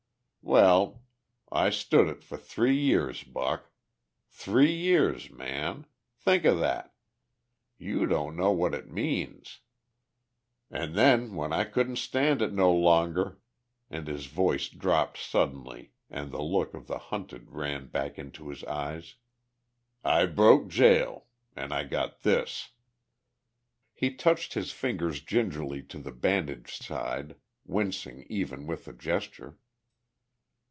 well, I stood it for three years, Buck. Three years, man! Think o' that! You don't know what it means. An' then, when I couldn't stand it no longer," and his voice dropped suddenly and the look of the hunted ran back into his eyes, "I broke jail. An' I got this." He touched his fingers gingerly to the bandaged side, wincing even with the gesture.